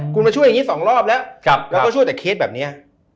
คุณมาช่วยอย่างนี้๒รอบแล้วแล้วก็ช่วยแต่เคสแบบนี้